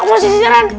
aku masih siaran